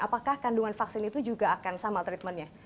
apakah kandungan vaksin itu juga akan sama treatmentnya